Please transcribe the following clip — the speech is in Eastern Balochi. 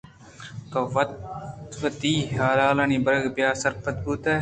تو وت وتی حالانی برگ ءَ بیا سرپد بوتئے